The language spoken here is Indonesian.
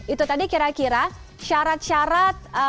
itu tadi kira kira syarat syarat umum dan kondisi